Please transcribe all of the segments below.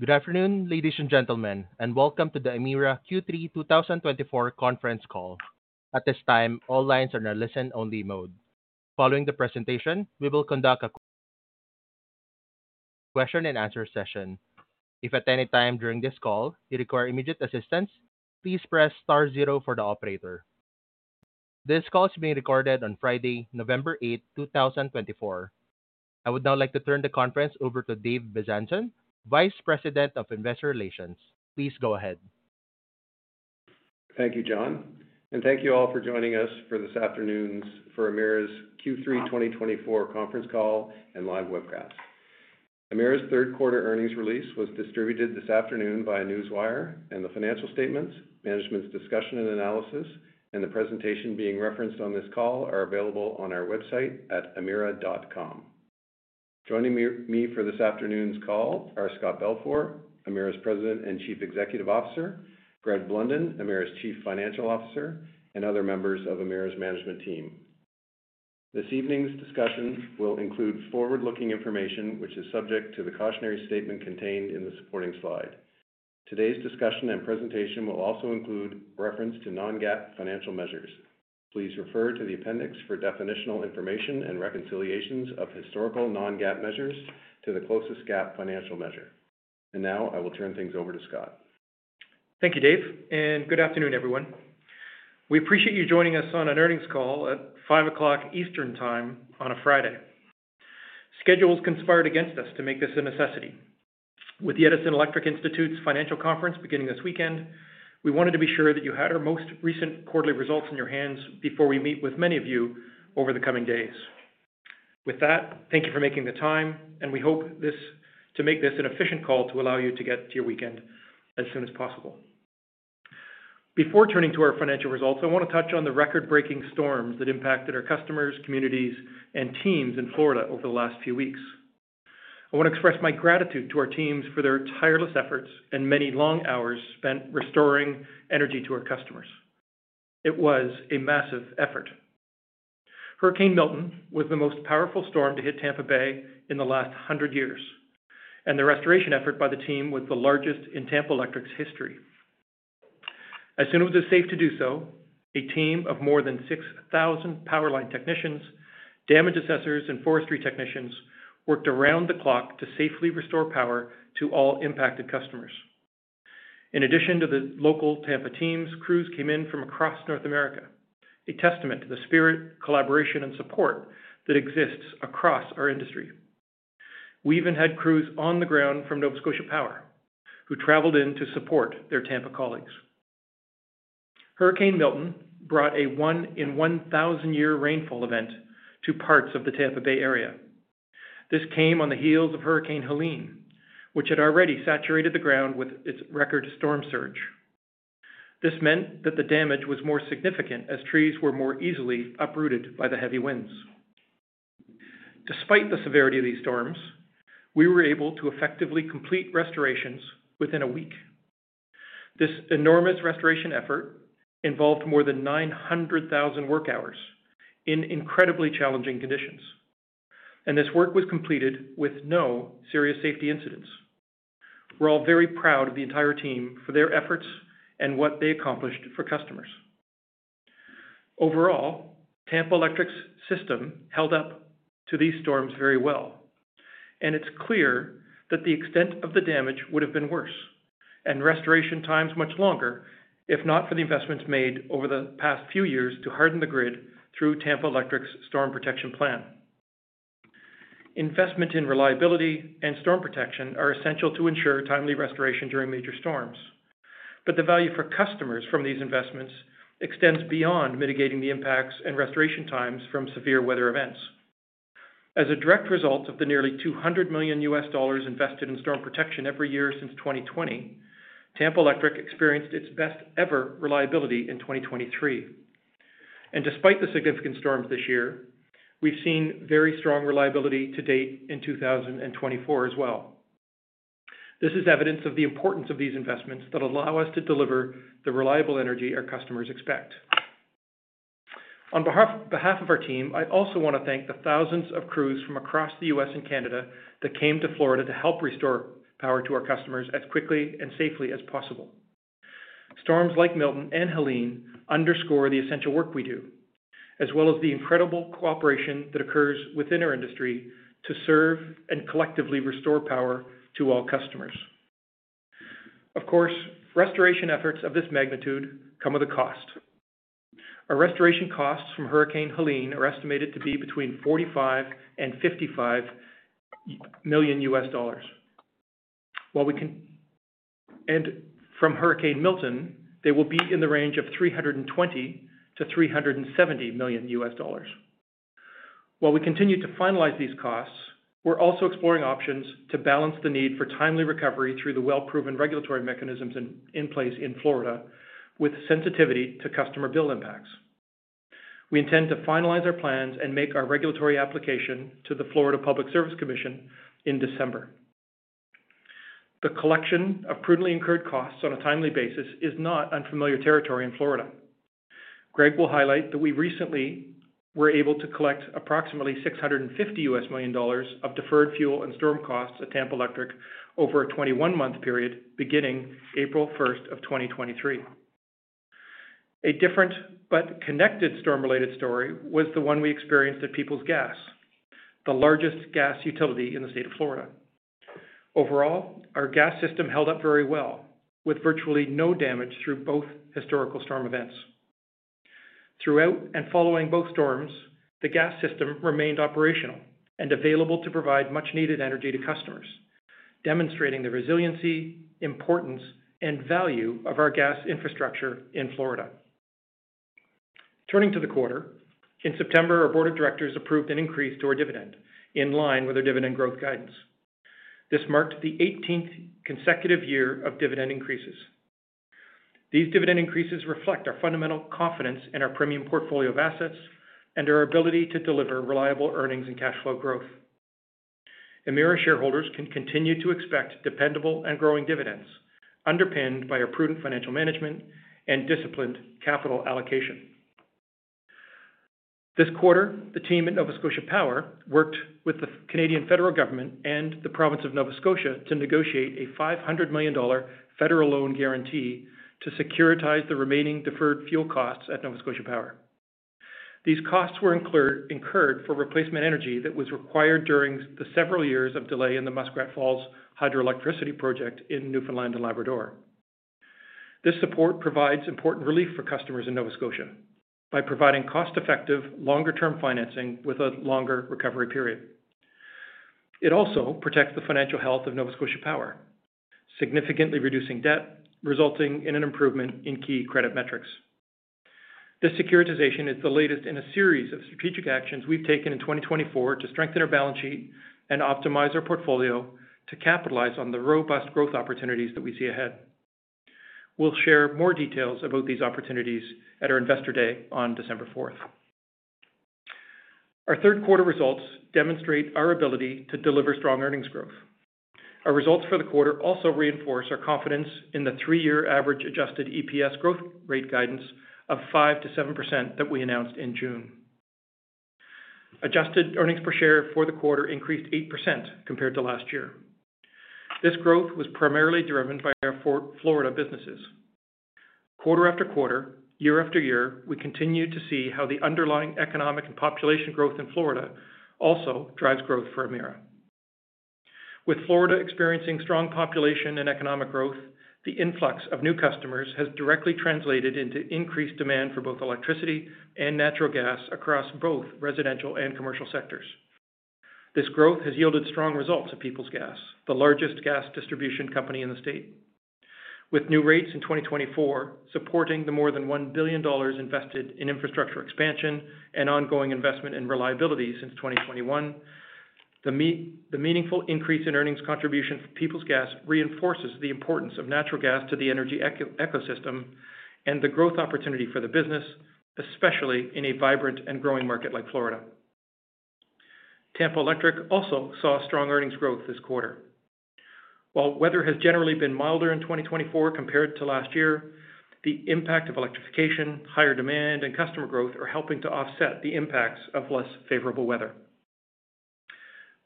Good afternoon, ladies and gentlemen, and welcome to the Emera Q3 2024 Conference Call. At this time, all lines are in a listen-only mode. Following the presentation, we will conduct a question-and-answer session. If at any time during this call you require immediate assistance, please press star zero for the operator. This call is being recorded on Friday, November 8, 2024. I would now like to turn the conference over to Dave Bezanson, Vice President of Investor Relations. Please go ahead. Thank you, John. And thank you all for joining us for this afternoon's Emera's Q3 2024 conference call and live webcast. Emera's third quarter earnings release was distributed this afternoon by Newswire, and the financial statements, management's discussion and analysis, and the presentation being referenced on this call are available on our website at emera.com. Joining me for this afternoon's call are Scott Balfour, Emera's President and Chief Executive Officer, Greg Blunden, Emera's Chief Financial Officer, and other members of Emera's management team. This evening's discussion will include forward-looking information, which is subject to the cautionary statement contained in the supporting slide. Today's discussion and presentation will also include reference to non-GAAP financial measures. Please refer to the appendix for definitional information and reconciliations of historical non-GAAP measures to the closest GAAP financial measure. And now I will turn things over to Scott. Thank you, Dave, and good afternoon, everyone. We appreciate you joining us on an earnings call at 5:00 P.M. Eastern Time on a Friday. Schedules conspired against us to make this a necessity. With the Edison Electric Institute's financial conference beginning this weekend, we wanted to be sure that you had our most recent quarterly results in your hands before we meet with many of you over the coming days. With that, thank you for making the time, and we hope to make this an efficient call to allow you to get to your weekend as soon as possible. Before turning to our financial results, I want to touch on the record-breaking storms that impacted our customers, communities, and teams in Florida over the last few weeks. I want to express my gratitude to our teams for their tireless efforts and many long hours spent restoring energy to our customers. It was a massive effort. Hurricane Milton was the most powerful storm to hit Tampa Bay in the last 100 years, and the restoration effort by the team was the largest in Tampa Electric's history. As soon as it was safe to do so, a team of more than 6,000 power line technicians, damage assessors, and forestry technicians worked around the clock to safely restore power to all impacted customers. In addition to the local Tampa teams, crews came in from across North America, a testament to the spirit, collaboration, and support that exists across our industry. We even had crews on the ground from Nova Scotia Power, who traveled in to support their Tampa colleagues. Hurricane Milton brought a one-in-1,000-year rainfall event to parts of the Tampa Bay area. This came on the heels of Hurricane Helene, which had already saturated the ground with its record storm surge. This meant that the damage was more significant as trees were more easily uprooted by the heavy winds. Despite the severity of these storms, we were able to effectively complete restorations within a week. This enormous restoration effort involved more than 900,000 work hours in incredibly challenging conditions, and this work was completed with no serious safety incidents. We're all very proud of the entire team for their efforts and what they accomplished for customers. Overall, Tampa Electric's system held up to these storms very well, and it's clear that the extent of the damage would have been worse and restoration times much longer if not for the investments made over the past few years to harden the grid through Tampa Electric's Storm Protection Plan. Investment in reliability and storm protection are essential to ensure timely restoration during major storms, but the value for customers from these investments extends beyond mitigating the impacts and restoration times from severe weather events. As a direct result of the nearly $200 million invested in storm protection every year since 2020, Tampa Electric experienced its best-ever reliability in 2023, and despite the significant storms this year, we've seen very strong reliability to date in 2024 as well. This is evidence of the importance of these investments that allow us to deliver the reliable energy our customers expect. On behalf of our team, I also want to thank the thousands of crews from across the U.S. and Canada that came to Florida to help restore power to our customers as quickly and safely as possible. Storms like Milton and Helene underscore the essential work we do, as well as the incredible cooperation that occurs within our industry to serve and collectively restore power to all customers. Of course, restoration efforts of this magnitude come with a cost. Our restoration costs from Hurricane Helene are estimated to be between $45 million and $55 million. While we can, and from Hurricane Milton, they will be in the range of $320 million-$370 million. While we continue to finalize these costs, we're also exploring options to balance the need for timely recovery through the well-proven regulatory mechanisms in place in Florida with sensitivity to customer bill impacts. We intend to finalize our plans and make our regulatory application to the Florida Public Service Commission in December. The collection of prudently incurred costs on a timely basis is not unfamiliar territory in Florida. Greg will highlight that we recently were able to collect approximately $650 million of deferred fuel and storm costs at Tampa Electric over a 21-month period beginning April 1 of 2023. A different but connected storm-related story was the one we experienced at Peoples Gas, the largest gas utility in the state of Florida. Overall, our gas system held up very well, with virtually no damage through both historical storm events. Throughout and following both storms, the gas system remained operational and available to provide much-needed energy to customers, demonstrating the resiliency, importance, and value of our gas infrastructure in Florida. Turning to the quarter, in September, our board of directors approved an increase to our dividend in line with our dividend growth guidance. This marked the 18th consecutive year of dividend increases. These dividend increases reflect our fundamental confidence in our premium portfolio of assets and our ability to deliver reliable earnings and cash flow growth. Emera shareholders can continue to expect dependable and growing dividends, underpinned by our prudent financial management and disciplined capital allocation. This quarter, the team at Nova Scotia Power worked with the Canadian federal government and the province of Nova Scotia to negotiate a 500 million dollar federal loan guarantee to securitize the remaining deferred fuel costs at Nova Scotia Power. These costs were incurred for replacement energy that was required during the several years of delay in the Muskrat Falls Hydroelectricity Project in Newfoundland and Labrador. This support provides important relief for customers in Nova Scotia by providing cost-effective, longer-term financing with a longer recovery period. It also protects the financial health of Nova Scotia Power, significantly reducing debt, resulting in an improvement in key credit metrics. This securitization is the latest in a series of strategic actions we've taken in 2024 to strengthen our balance sheet and optimize our portfolio to capitalize on the robust growth opportunities that we see ahead. We'll share more details about these opportunities at our investor day on December 4th. Our third quarter results demonstrate our ability to deliver strong earnings growth. Our results for the quarter also reinforce our confidence in the three-year average adjusted EPS growth rate guidance of 5%-7% that we announced in June. Adjusted earnings per share for the quarter increased 8% compared to last year. This growth was primarily driven by our Florida businesses. Quarter-after-quarter, year-after-year, we continue to see how the underlying economic and population growth in Florida also drives growth for Emera. With Florida experiencing strong population and economic growth, the influx of new customers has directly translated into increased demand for both electricity and natural gas across both residential and commercial sectors. This growth has yielded strong results at Peoples Gas, the largest gas distribution company in the state. With new rates in 2024 supporting the more than $1 billion invested in infrastructure expansion and ongoing investment in reliability since 2021, the meaningful increase in earnings contribution for Peoples Gas reinforces the importance of natural gas to the energy ecosystem and the growth opportunity for the business, especially in a vibrant and growing market like Florida. Tampa Electric also saw strong earnings growth this quarter. While weather has generally been milder in 2024 compared to last year, the impact of electrification, higher demand, and customer growth are helping to offset the impacts of less favorable weather.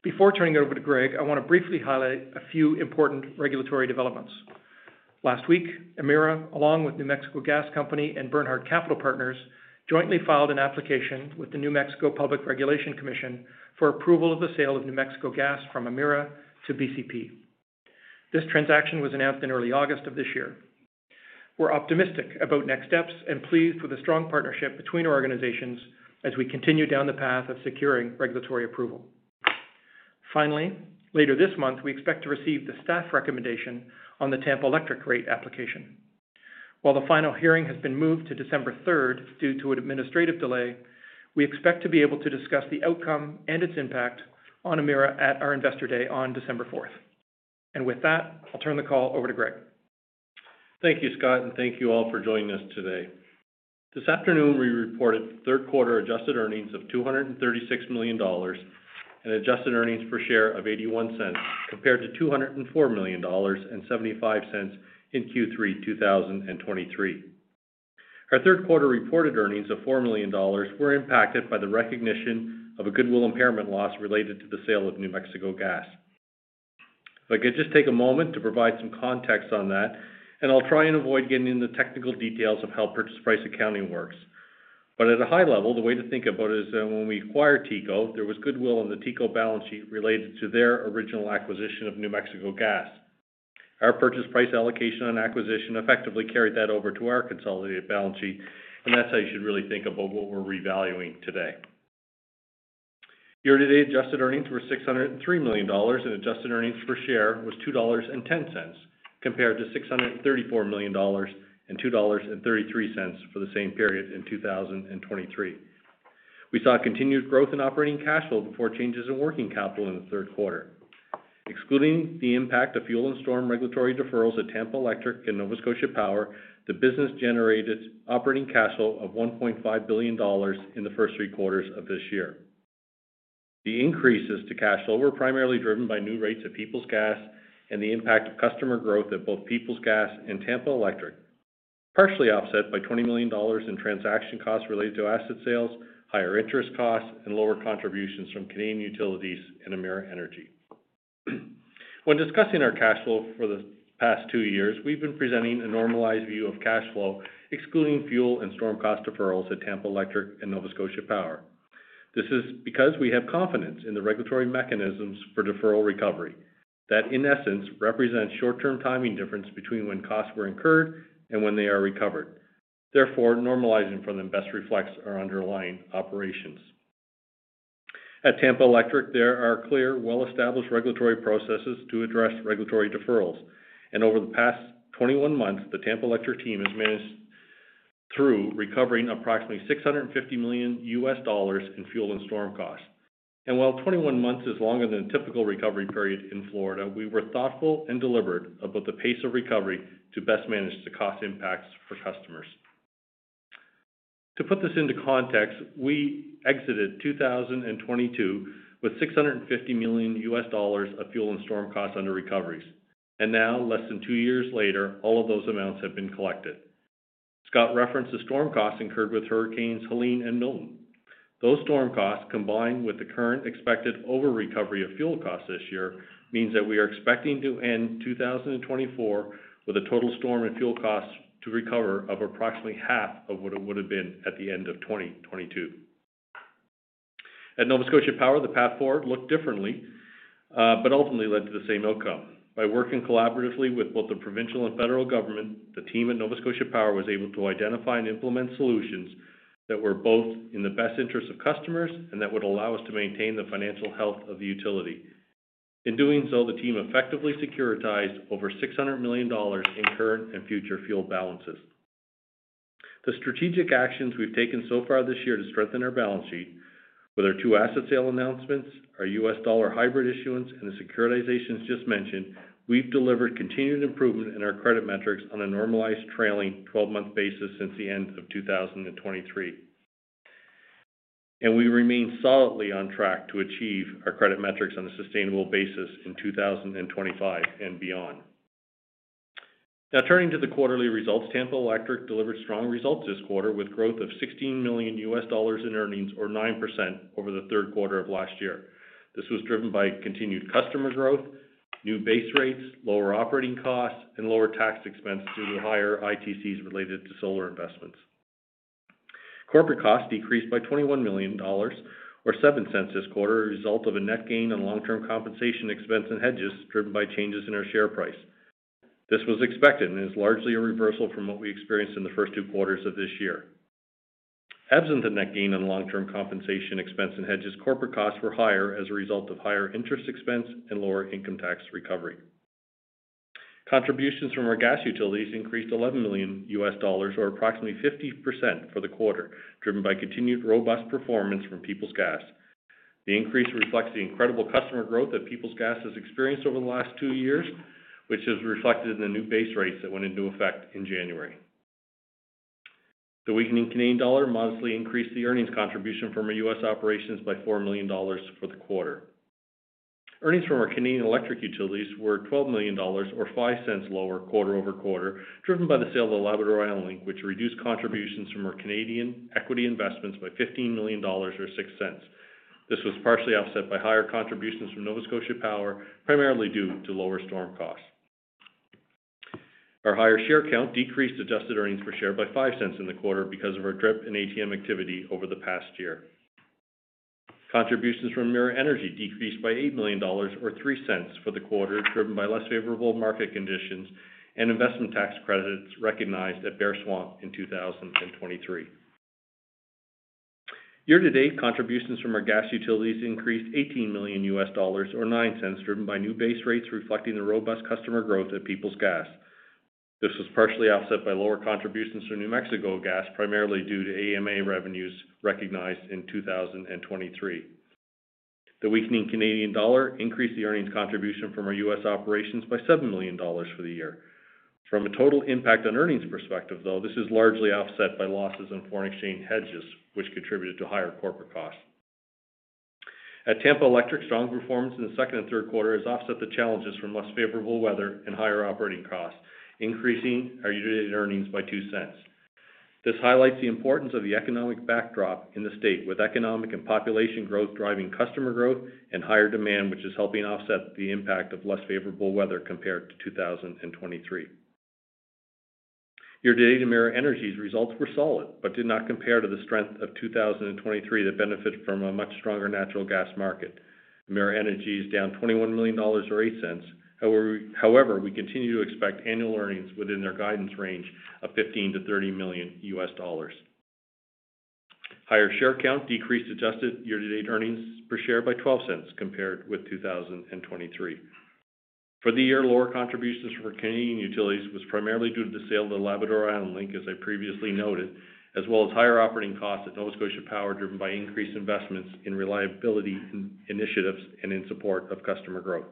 Before turning it over to Greg, I want to briefly highlight a few important regulatory developments. Last week, Emera, along with New Mexico Gas Company and Bernhard Capital Partners, jointly filed an application with the New Mexico Public Regulation Commission for approval of the sale of New Mexico Gas from Emera to BCP. This transaction was announced in early August of this year. We're optimistic about next steps and pleased with the strong partnership between our organizations as we continue down the path of securing regulatory approval. Finally, later this month, we expect to receive the staff recommendation on the Tampa Electric rate application. While the final hearing has been moved to December 3rd due to an administrative delay, we expect to be able to discuss the outcome and its impact on Emera at our investor day on December 4th, and with that, I'll turn the call over to Greg. Thank you, Scott, and thank you all for joining us today. This afternoon, we reported third quarter adjusted earnings of $236 million and adjusted earnings per share of $0.81 compared to $204.75 in Q3 2023. Our third quarter reported earnings of $4 million were impacted by the recognition of a goodwill impGairment loss related to the sale of New Mexico Gas. If I could just take a moment to provide some context on that, and I'll try and avoid getting into the technical details of how purchase price accounting works. But at a high level, the way to think about it is that when we acquired TECO, there was goodwill on the TECO balance sheet related to their original acquisition of New Mexico Gas. Our purchase price allocation on acquisition effectively carried that over to our consolidated balance sheet, and that's how you should really think about what we're revaluing today. Year-to-date adjusted earnings were $603 million, and adjusted earnings per share was $2.10 compared to $634 million and $2.33 for the same period in 2023. We saw continued growth in operating cash flow before changes in working capital in the third quarter. Excluding the impact of fuel and storm regulatory deferrals at Tampa Electric and Nova Scotia Power, the business generated operating cash flow of $1.5 billion in the first three quarters of this year. The increases to cash flow were primarily driven by new rates of Peoples Gas and the impact of customer growth at both Peoples Gas and Tampa Electric, partially offset by $20 million in transaction costs related to asset sales, higher interest costs, and lower contributions from Canadian utilities and Emera Energy. When discussing our cash flow for the past two years, we've been presenting a normalized view of cash flow, excluding fuel and storm cost deferrals at Tampa Electric and Nova Scotia Power. This is because we have confidence in the regulatory mechanisms for deferral recovery that, in essence, represent short-term timing difference between when costs were incurred and when they are recovered. Therefore, normalizing for them best reflects our underlying operations. At Tampa Electric, there are clear, well-established regulatory processes to address regulatory deferrals, and over the past 21 months, the Tampa Electric team has managed through recovering approximately $650 million in fuel and storm costs, and while 21 months is longer than a typical recovery period in Florida, we were thoughtful and deliberate about the pace of recovery to best manage the cost impacts for customers. To put this into context, we exited 2022 with $650 million of fuel and storm costs under recoveries, and now, less than two years later, all of those amounts have been collected. Scott referenced the storm costs incurred with Hurricanes Helene and Milton. Those storm costs, combined with the current expected over-recovery of fuel costs this year, mean that we are expecting to end 2024 with a total storm and fuel costs to recover of approximately half of what it would have been at the end of 2022. At Nova Scotia Power, the path forward looked differently, but ultimately led to the same outcome. By working collaboratively with both the provincial and federal government, the team at Nova Scotia Power was able to identify and implement solutions that were both in the best interest of customers and that would allow us to maintain the financial health of the utility. In doing so, the team effectively securitized over $600 million in current and future fuel balances. The strategic actions we've taken so far this year to strengthen our balance sheet, with our two asset sale announcements, our U.S. dollar hybrid issuance, and the securitizations just mentioned, we've delivered continued improvement in our credit metrics on a normalized, trailing 12-month basis since the end of 2023. And we remain solidly on track to achieve our credit metrics on a sustainable basis in 2025 and beyond. Now, turning to the quarterly results, Tampa Electric delivered strong results this quarter with growth of $16 million in earnings, or 9%, over the third quarter of last year. This was driven by continued customer growth, new base rates, lower operating costs, and lower tax expense due to higher ITCs related to solar investments. Corporate costs decreased by $21 million, or $0.07 cents, this quarter as a result of a net gain on long-term compensation expense and hedges driven by changes in our share price. This was expected and is largely a reversal from what we experienced in the first two quarters of this year. Absent the net gain on long-term compensation expense and hedges, corporate costs were higher as a result of higher interest expense and lower income tax recovery. Contributions from our gas utilities increased $11 million, or approximately 50%, for the quarter, driven by continued robust performance from Peoples Gas. The increase reflects the incredible customer growth that Peoples Gas has experienced over the last two years, which is reflected in the new base rates that went into effect in January. The weakening Canadian dollar modestly increased the earnings contribution from our U.S. operations by $4 million for the quarter. Earnings from our Canadian electric utilities were $12 million, or $0.05 cents lower quarter-over-quarter, driven by the sale of the Labrador Island Link, which reduced contributions from our Canadian equity investments by $15 million, or $0.06 cents. This was partially offset by higher contributions from Nova Scotia Power, primarily due to lower storm costs. Our higher share count decreased adjusted earnings per share by $0.05 cents in the quarter because of our DRIP and ATM activity over the past year. Contributions from Emera Energy decreased by $8 million, or $0.03 cents, for the quarter, driven by less favorable market conditions and investment tax credits recognized at Bear Swamp in 2023. Year-to-date contributions from our gas utilities increased $18 million, or $0.09 cents, driven by new base rates reflecting the robust customer growth at Peoples Gas. This was partially offset by lower contributions from New Mexico Gas, primarily due to AMA revenues recognized in 2023. The weakening Canadian dollar increased the earnings contribution from our U.S. operations by $7 million for the year. From a total impact on earnings perspective, though, this is largely offset by losses in foreign exchange hedges, which contributed to higher corporate costs. At Tampa Electric, strong performance in the second and third quarters has offset the challenges from less favorable weather and higher operating costs, increasing our year-to-date earnings by $0.02. This highlights the importance of the economic backdrop in the state, with economic and population growth driving customer growth and higher demand, which is helping offset the impact of less favorable weather compared to 2023. Year-to-date Emera Energy's results were solid but did not compare to the strength of 2023 that benefited from a much stronger natural gas market. Emera Energy is down $21 million, or $0.08. However, we continue to expect annual earnings within their guidance range of $15 million-$30 million. Higher share count decreased adjusted year-to-date earnings per share by $0.12 compared with 2023. For the year, lower contributions from Canadian utilities was primarily due to the sale of the Labrador Island Link, as I previously noted, as well as higher operating costs at Nova Scotia Power, driven by increased investments in reliability initiatives and in support of customer growth.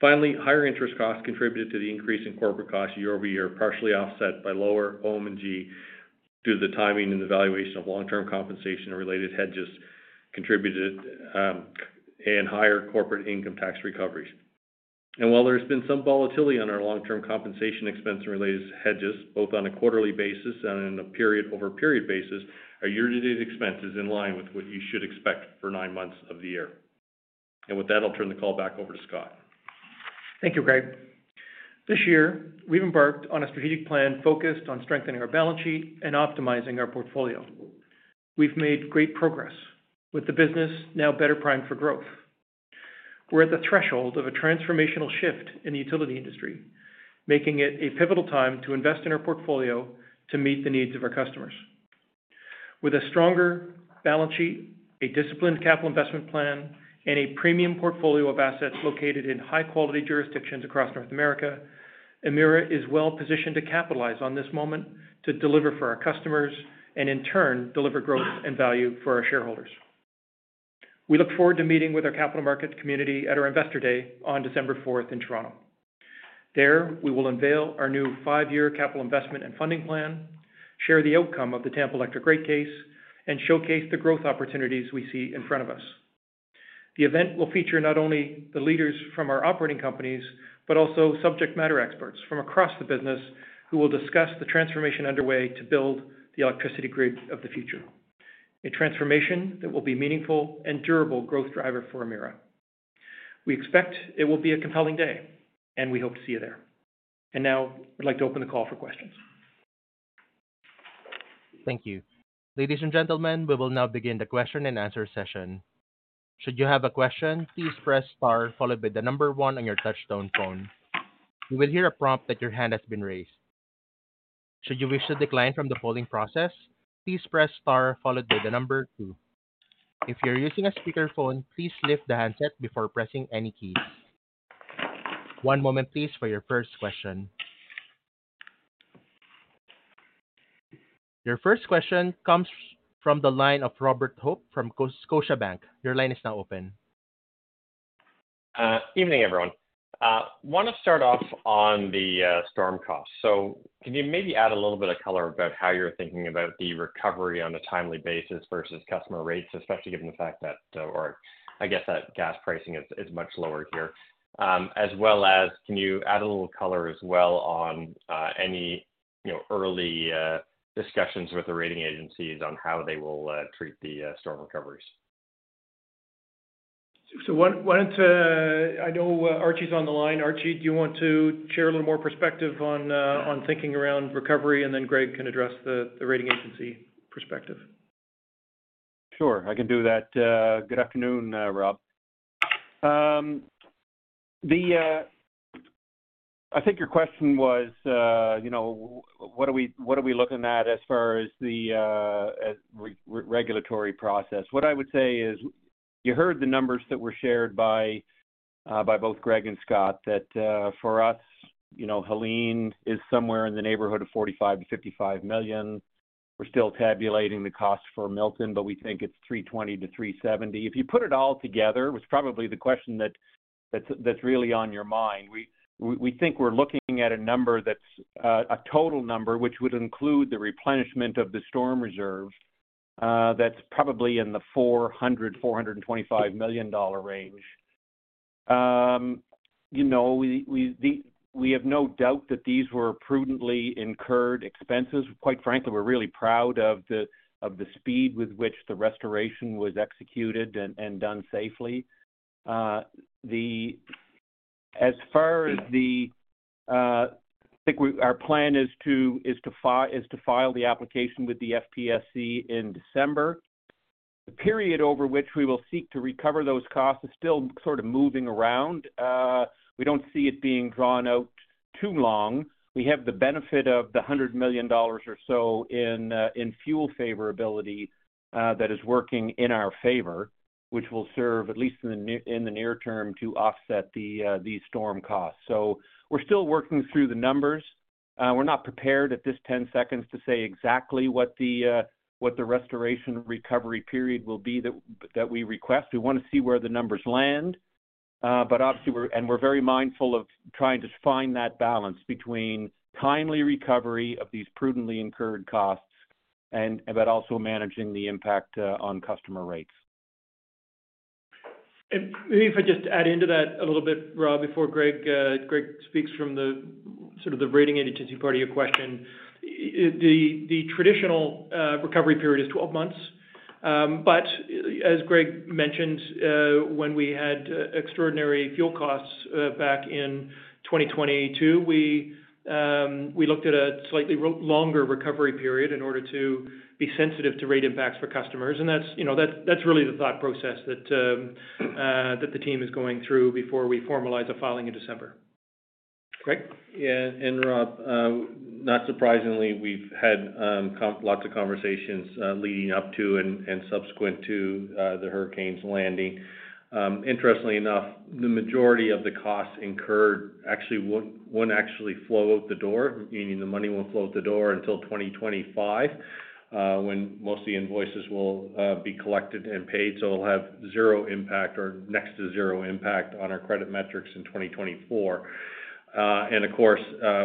Finally, higher interest costs contributed to the increase in corporate costs year over year, partially offset by lower OM&G due to the timing and the valuation of long-term compensation and related hedges contributed, and higher corporate income tax recoveries. And while there has been some volatility on our long-term compensation expense and related hedges, both on a quarterly basis and on a period-over-period basis, our year-to-date expenses are in line with what you should expect for nine months of the year. And with that, I'll turn the call back over to Scott. Thank you, Greg. This year, we've embarked on a strategic plan focused on strengthening our balance sheet and optimizing our portfolio. We've made great progress, with the business now better primed for growth. We're at the threshold of a transformational shift in the utility industry, making it a pivotal time to invest in our portfolio to meet the needs of our customers. With a stronger balance sheet, a disciplined capital investment plan, and a premium portfolio of assets located in high-quality jurisdictions across North America, Emera is well positioned to capitalize on this moment to deliver for our customers and, in turn, deliver growth and value for our shareholders. We look forward to meeting with our capital market community at our investor day on December 4 in Toronto. There, we will unveil our new five-year capital investment and funding plan, share the outcome of the Tampa Electric rate case, and showcase the growth opportunities we see in front of us. The event will feature not only the leaders from our operating companies but also subject matter experts from across the business who will discuss the transformation underway to build the electricity grid of the future, a transformation that will be a meaningful and durable growth driver for Emera. We expect it will be a compelling day, and we hope to see you there. And now, I'd like to open the call for questions. Thank you. Ladies and gentlemen, we will now begin the question-and-answer session. Should you have a question, please press Star, followed by the number one on your touch-tone phone. You will hear a prompt that your hand has been raised. Should you wish to decline from the polling process, please press Star, followed by the number two. If you're using a speakerphone, please lift the handset before pressing any keys. One moment, please, for your first question. Your first question comes from the line of Robert Hope from Scotiabank. Your line is now open. Good evening, everyone. I want to start off on the storm costs. So can you maybe add a little bit of color about how you're thinking about the recovery on a timely basis versus customer rates, especially given the fact that, or I guess that gas pricing is much lower here, as well as can you add a little color as well on any early discussions with the rating agencies on how they will treat the storm recoveries? So I know Archie's on the line. Archie, do you want to share a little more perspective on thinking around recovery? And then Greg can address the rating agency perspective. Sure, I can do that. Good afternoon, Rob. I think your question was, what are we looking at as far as the regulatory process? What I would say is you heard the numbers that were shared by both Greg and Scott that for us, Helene is somewhere in the neighborhood of $45 million-$55 million. We're still tabulating the cost for Milton, but we think it's $320 million-$370 million. If you put it all together, it was probably the question that's really on your mind. We think we're looking at a number that's a total number, which would include the replenishment of the storm reserves, that's probably in the $400 million-$425 million range. We have no doubt that these were prudently incurred expenses. Quite frankly, we're really proud of the speed with which the restoration was executed and done safely. As far as, I think, our plan is to file the application with the FPSC in December. The period over which we will seek to recover those costs is still sort of moving around. We don't see it being drawn out too long. We have the benefit of the $100 million or so in fuel favorability that is working in our favor, which will serve, at least in the near term, to offset these storm costs. So we're still working through the numbers. We're not prepared at this time to say exactly what the restoration recovery period will be that we request. We want to see where the numbers land. We're very mindful of trying to find that balance between timely recovery of these prudently incurred costs and about also managing the impact on customer rates. And maybe if I just add into that a little bit, Rob, before Greg speaks from sort of the rating agency part of your question, the traditional recovery period is 12 months. But as Greg mentioned, when we had extraordinary fuel costs back in 2022, we looked at a slightly longer recovery period in order to be sensitive to rate impacts for customers. And that's really the thought process that the team is going through before we formalize a filing in December. Greg? Yeah. And Rob, not surprisingly, we've had lots of conversations leading up to and subsequent to the hurricane's landing. Interestingly enough, the majority of the costs incurred actually won't actually flow out the door, meaning the money won't flow out the door until 2025, when most of the invoices will be collected and paid. So we'll have zero impact or next to zero impact on our credit metrics in 2024. And of course,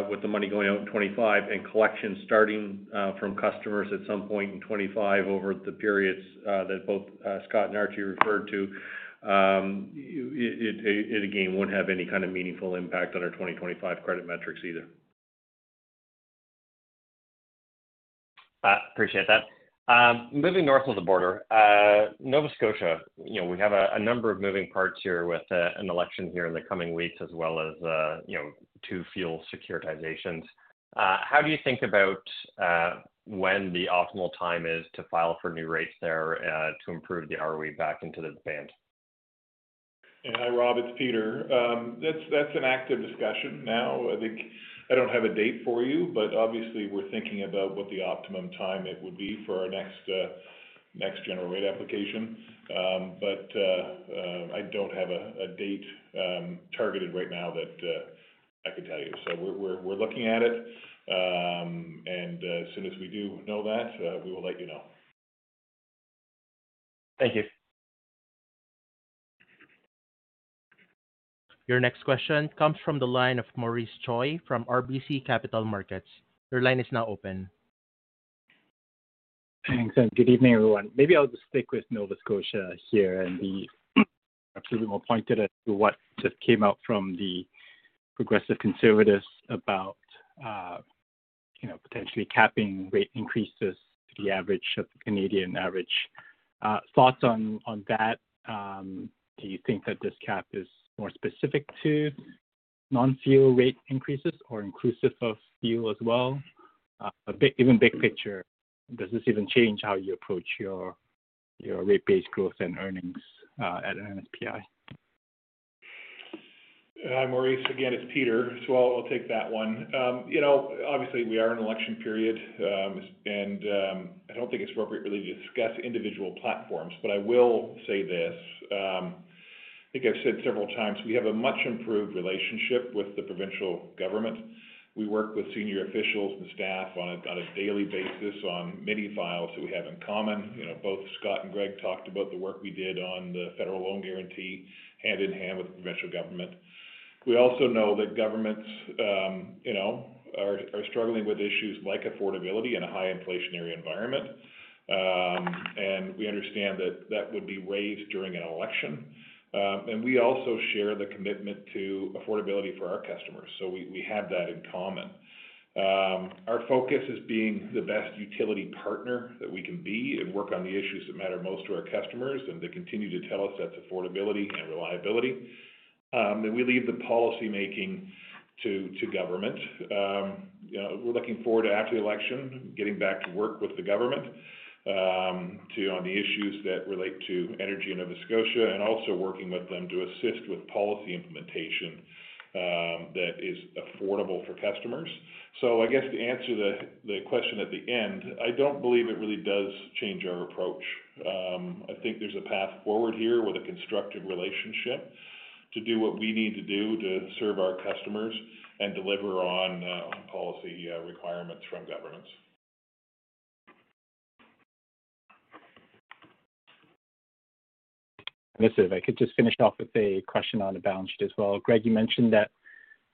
with the money going out in 2025 and collections starting from customers at some point in 2025 over the periods that both Scott and Archie referred to, it again won't have any kind of meaningful impact on our 2025 credit metrics either. Appreciate that. Moving north of the border, Nova Scotia, we have a number of moving parts here with an election here in the coming weeks, as well as two fuel securitizations. How do you think about when the optimal time is to file for new rates there to improve the ROE back into the band? Hi, Rob. It's Peter. That's an active discussion now. I don't have a date for you, but obviously, we're thinking about what the optimum time it would be for our next general rate application. But I don't have a date targeted right now that I could tell you. So we're looking at it. And as soon as we do know that, we will let you know. Thank you. Your next question comes from the line of Maurice Choy from RBC Capital Markets. Your line is now open. Thanks and good evening, everyone. Maybe I'll just stick with Nova Scotia here and be a little more pointed as to what just came out from the Progressive Conservatives about potentially capping rate increases to the average of the Canadian average. Thoughts on that? Do you think that this cap is more specific to non-fuel rate increases or inclusive of fuel as well? Even big picture, does this even change how you approach your rate-based growth and earnings at NSPI? Hi, Maurice. Again, it's Peter. So I'll take that one. Obviously, we are in an election period, and I don't think it's appropriate really to discuss individual platforms. But I will say this. I think I've said several times, we have a much improved relationship with the provincial government. We work with senior officials and staff on a daily basis on many files that we have in common. Both Scott and Greg talked about the work we did on the federal loan guarantee hand in hand with the provincial government. We also know that governments are struggling with issues like affordability in a high-inflationary environment. And we understand that that would be raised during an election. And we also share the commitment to affordability for our customers. So we have that in common. Our focus is being the best utility partner that we can be and work on the issues that matter most to our customers. And they continue to tell us that's affordability and reliability. And we leave the policymaking to government. We're looking forward to, after the election, getting back to work with the government on the issues that relate to energy in Nova Scotia and also working with them to assist with policy implementation that is affordable for customers. So I guess to answer the question at the end, I don't believe it really does change our approach. I think there's a path forward here with a constructive relationship to do what we need to do to serve our customers and deliver on policy requirements from governments. This is if I could just finish off with a question on the balance sheet as well. Greg, you mentioned that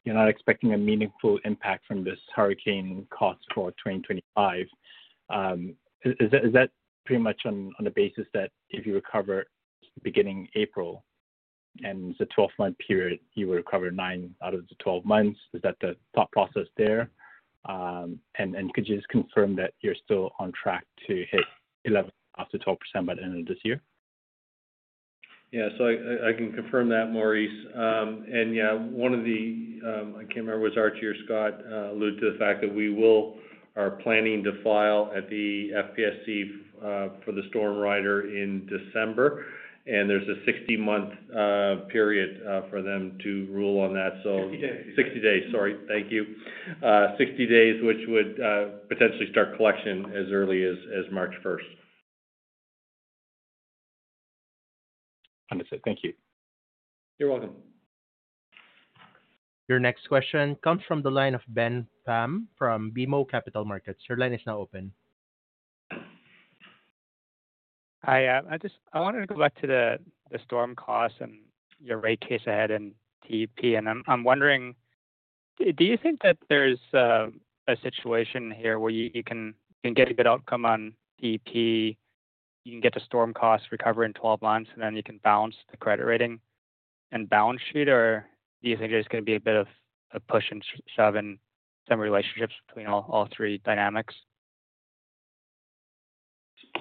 you're not expecting a meaningful impact from this hurricane cost for 2025. Is that pretty much on the basis that if you recover beginning April and it's a 12-month period, you would recover nine out of the 12 months? Is that the thought process there? And could you just confirm that you're still on track to hit 11%-12% by the end of this year? Yeah. So I can confirm that, Maurice. And yeah, one of the, I can't remember what Archie or Scott alluded to, the fact that we are planning to file at the FPSC for the storm rider in December. And there's a 60-month period for them to rule on that. So. 60 days. 60 days. Sorry. Thank you. 60 days, which would potentially start collection as early as March 1st. Understood. Thank you. You're welcome. Your next question comes from the line of Ben Pham from BMO Capital Markets. Your line is now open. Hi. I wanted to go back to the storm costs and your rate case ahead in TP, and I'm wondering, do you think that there's a situation here where you can get a good outcome on TP, you can get the storm costs recovered in 12 months, and then you can balance the credit rating and balance sheet? Or do you think there's going to be a bit of push and shove in some relationships between all three dynamics?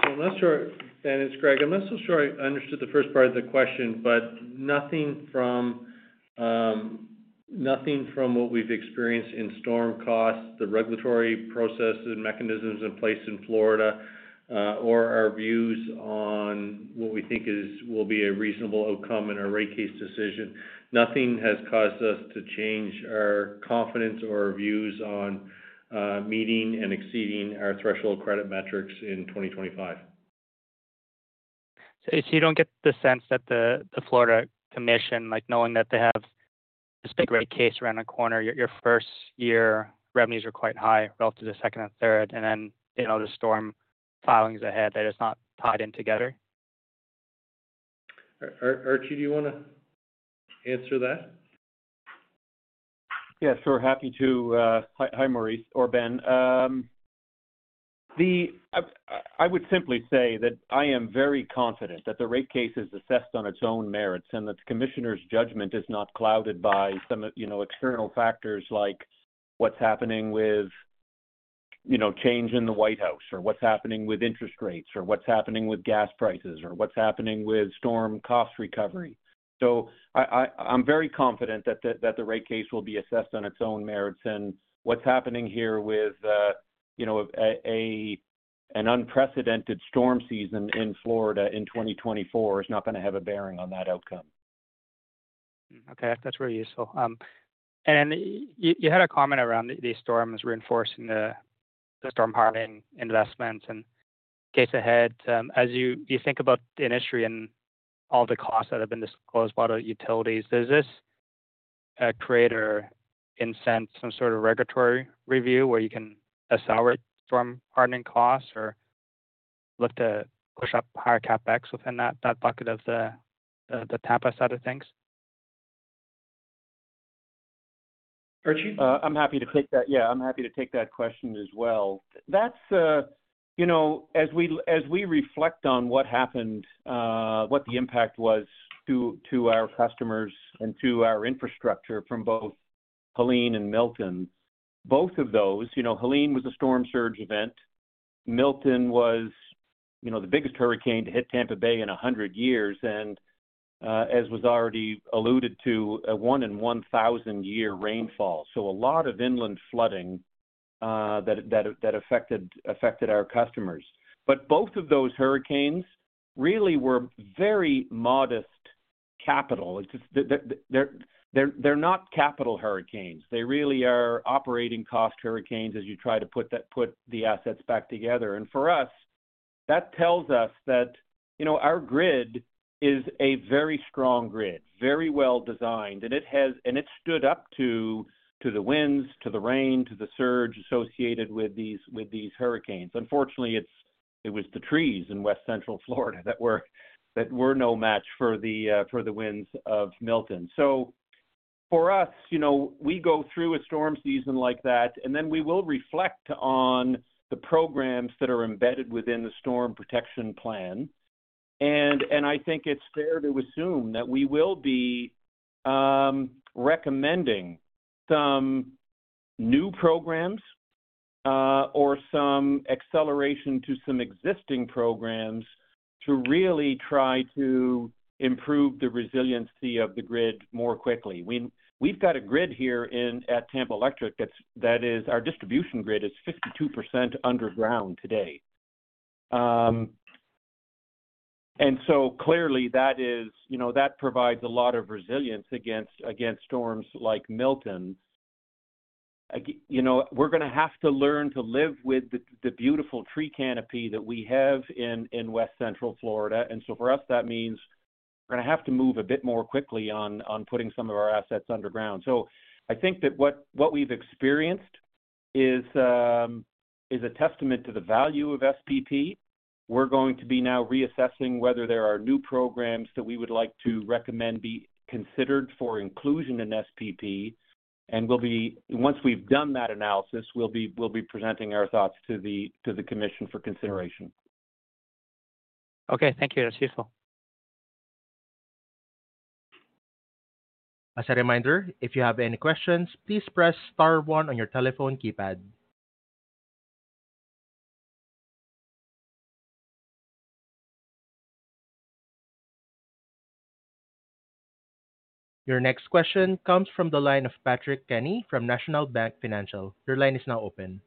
I'm not sure. It's Greg. I'm not so sure I understood the first part of the question, but nothing from what we've experienced in storm costs, the regulatory processes and mechanisms in place in Florida, or our views on what we think will be a reasonable outcome in our rate case decision. Nothing has caused us to change our confidence or our views on meeting and exceeding our threshold credit metrics in 2025. So you don't get the sense that the Florida Commission, knowing that they have this big rate case around the corner, your first-year revenues are quite high relative to the second and third, and then the storm filings ahead, that it's not tied in together? Archie, do you want to answer that? Yes. Sure. Happy to. Hi, Maurice or Ben. I would simply say that I am very confident that the rate case is assessed on its own merits and that the commissioner's judgment is not clouded by external factors like what's happening with change in the White House or what's happening with interest rates or what's happening with gas prices or what's happening with storm cost recovery, so I'm very confident that the rate case will be assessed on its own merits, and what's happening here with an unprecedented storm season in Florida in 2024 is not going to have a bearing on that outcome. Okay. That's very useful. And you had a comment around these storms reinforcing the storm hardening investments and case ahead. As you think about the industry and all the costs that have been disclosed by the utilities, does this create or incent some sort of regulatory review where you can assess storm hardening costs or look to push up higher CapEx within that bucket of the Tampa side of things? Archie? I'm happy to take that. Yeah. I'm happy to take that question as well. As we reflect on what happened, what the impact was to our customers and to our infrastructure from both Helene and Milton, both of those, Helene was a storm surge event. Milton was the biggest hurricane to hit Tampa Bay in 100 years, and as was already alluded to, a one-in-1,000-year rainfall. So a lot of inland flooding that affected our customers. But both of those hurricanes really were very modest capital. They're not capital hurricanes. They really are operating cost hurricanes as you try to put the assets back together. And for us, that tells us that our grid is a very strong grid, very well designed, and it stood up to the winds, to the rain, to the surge associated with these hurricanes. Unfortunately, it was the trees in West Central Florida that were no match for the winds of Milton. So for us, we go through a storm season like that, and then we will reflect on the programs that are embedded within the Storm Protection Plan. And I think it's fair to assume that we will be recommending some new programs or some acceleration to some existing programs to really try to improve the resiliency of the grid more quickly. We've got a grid here at Tampa Electric that is, our distribution grid is 52% underground today. And so clearly, that provides a lot of resilience against storms like Milton. We're going to have to learn to live with the beautiful tree canopy that we have in West Central Florida. And so for us, that means we're going to have to move a bit more quickly on putting some of our assets underground. So I think that what we've experienced is a testament to the value of SPP. We're going to be now reassessing whether there are new programs that we would like to recommend be considered for inclusion in SPP. And once we've done that analysis, we'll be presenting our thoughts to the commission for consideration. Okay. Thank you. That's useful. As a reminder, if you have any questions, please press Star one on your telephone keypad. Your next question comes from the line of Patrick Kenny from National Bank Financial. Your line is now open.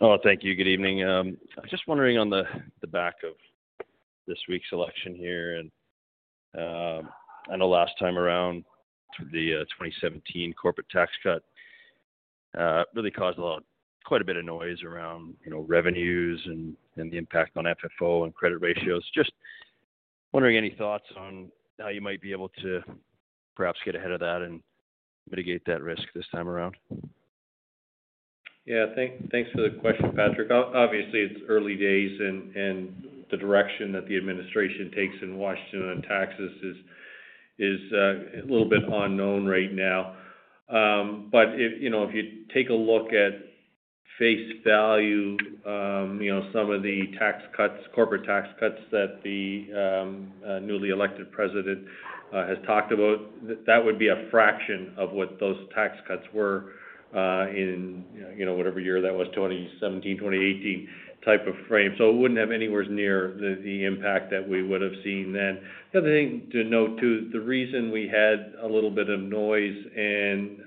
Oh, thank you. Good evening. I'm just wondering on the back of this week's election here. And I know last time around, the 2017 corporate tax cut really caused quite a bit of noise around revenues and the impact on FFO and credit ratios. Just wondering any thoughts on how you might be able to perhaps get ahead of that and mitigate that risk this time around? Yeah. Thanks for the question, Patrick. Obviously, it's early days, and the direction that the administration takes in Washington on taxes is a little bit unknown right now. But if you take a look at face value, some of the corporate tax cuts that the newly elected president has talked about, that would be a fraction of what those tax cuts were in whatever year that was, 2017, 2018 type of frame. So it wouldn't have anywhere near the impact that we would have seen then. The other thing to note too, the reason we had a little bit of noise and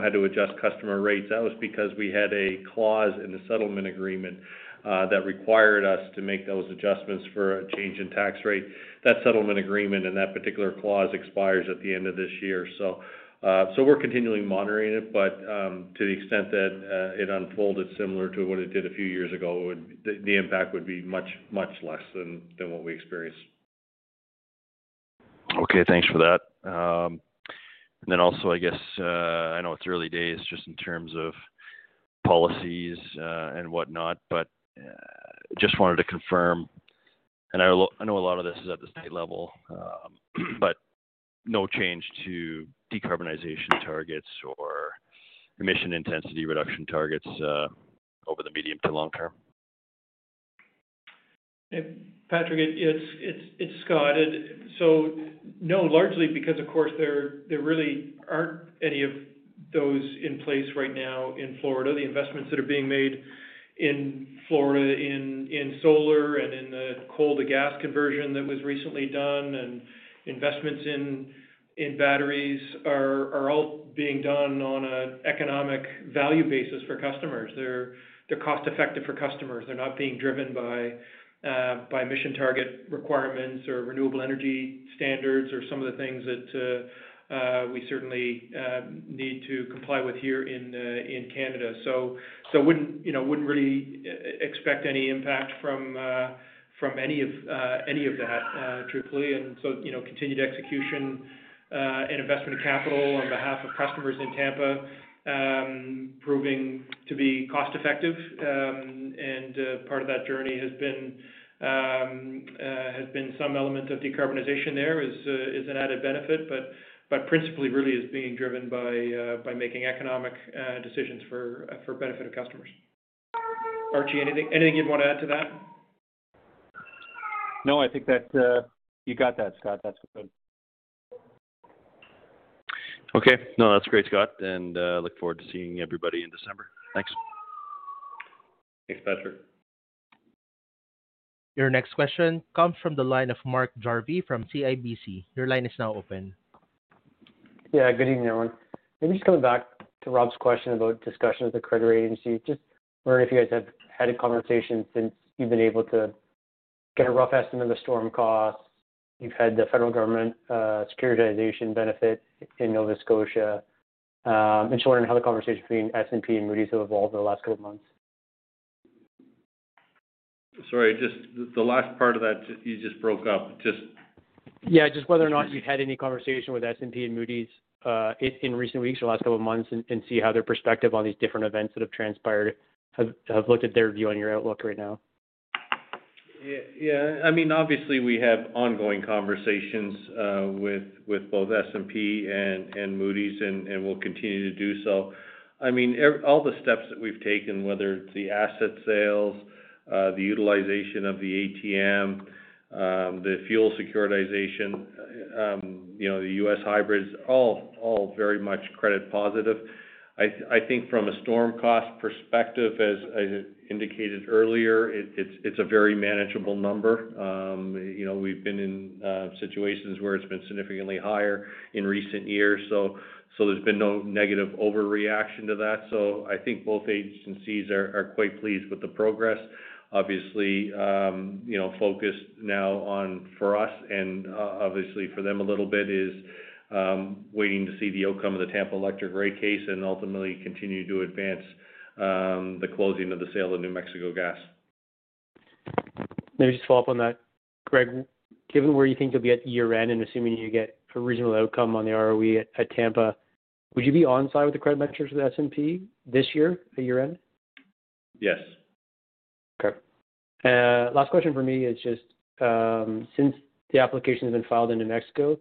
had to adjust customer rates, that was because we had a clause in the settlement agreement that required us to make those adjustments for a change in tax rate. That settlement agreement and that particular clause expires at the end of this year. So we're continually monitoring it. But to the extent that it unfolded similar to what it did a few years ago, the impact would be much, much less than what we experienced. Okay. Thanks for that. And then also, I guess I know it's early days just in terms of policies and whatnot, but just wanted to confirm. And I know a lot of this is at the state level, but no change to decarbonization targets or emission intensity reduction targets over the medium to long term? Patrick, it's Scott. So no, largely because, of course, there really aren't any of those in place right now in Florida. The investments that are being made in Florida in solar and in the coal-to-gas conversion that was recently done and investments in batteries are all being done on an economic value basis for customers. They're cost-effective for customers. They're not being driven by emission target requirements or renewable energy standards or some of the things that we certainly need to comply with here in Canada. So I wouldn't really expect any impact from any of that, truthfully. And so continued execution and investment of capital on behalf of customers in Tampa, proving to be cost-effective. And part of that journey has been some element of decarbonization there, is an added benefit, but principally really is being driven by making economic decisions for the benefit of customers. Archie, anything you'd want to add to that? No, I think that you got that, Scott. That's good. Okay. No, that's great, Scott. And look forward to seeing everybody in December. Thanks. Thanks, Patrick. Your next question comes from the line of Mark Jarvi from CIBC. Your line is now open. Yeah. Good evening, everyone. Maybe just coming back to Rob's question about discussion with the credit agency. Just wondering if you guys have had a conversation since you've been able to get a rough estimate of the storm costs. You've had the federal government securitization benefit in Nova Scotia, and just wondering how the conversation between S&P and Moody's have evolved in the last couple of months. Sorry. Just the last part of that, you just broke up. Just. Yeah. Just whether or not you've had any conversation with S&P and Moody's in recent weeks or last couple of months and see how their perspective on these different events that have transpired have looked at their view on your outlook right now? Yeah. I mean, obviously, we have ongoing conversations with both S&P and Moody's and will continue to do so. I mean, all the steps that we've taken, whether it's the asset sales, the utilization of the ATM, the fuel securitization, the U.S. hybrids, all very much credit positive. I think from a storm cost perspective, as indicated earlier, it's a very manageable number. We've been in situations where it's been significantly higher in recent years. So there's been no negative overreaction to that. So I think both agencies are quite pleased with the progress. Obviously, focused now for us and obviously for them a little bit is waiting to see the outcome of the Tampa Electric rate case and ultimately continue to advance the closing of the sale of New Mexico Gas. Maybe just follow up on that, Greg. Given where you think you'll be at year-end and assuming you get a reasonable outcome on the ROE at Tampa, would you be on side with the credit metrics with S&P this year at year-end? Yes. Okay. Last question for me is just since the application has been filed in New Mexico,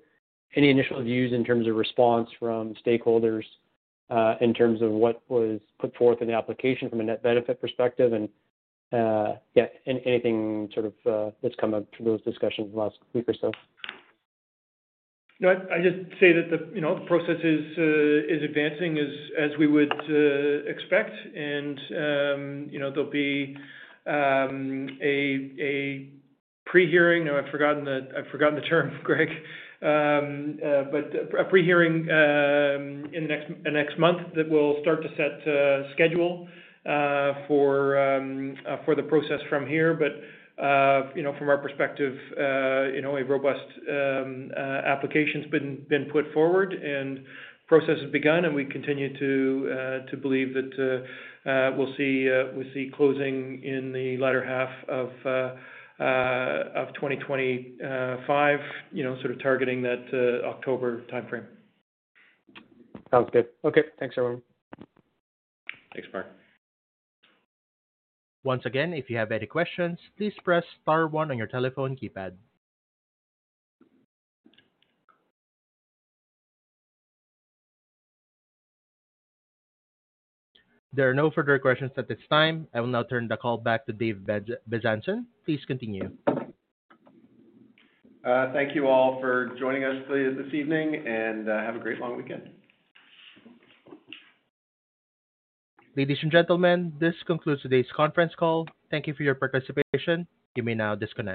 any initial views in terms of response from stakeholders in terms of what was put forth in the application from a net benefit perspective? And yeah, anything sort of that's come up from those discussions in the last week or so? No, I just say that the process is advancing as we would expect. And there'll be a prehearing. I've forgotten the term, Greg, but a prehearing in the next month that will start to set schedule for the process from here. But from our perspective, a robust application has been put forward and process has begun. And we continue to believe that we'll see closing in the latter half of 2025, sort of targeting that October time frame. Sounds good. Okay. Thanks, everyone. Thanks, Mark. Once again, if you have any questions, please press Star one on your telephone keypad. There are no further questions at this time. I will now turn the call back to Dave Bezanson. Please continue. Thank you all for joining us this evening and have a great long weekend. Ladies and gentlemen, this concludes today's conference call. Thank you for your participation. You may now disconnect.